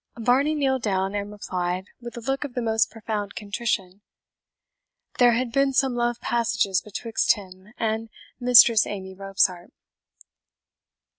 Varney kneeled down, and replied, with a look of the most profound contrition, "There had been some love passages betwixt him and Mistress Amy Robsart."